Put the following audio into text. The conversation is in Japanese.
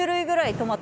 トマト？